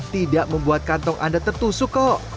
tidak membuat kantong anda tertusuk kok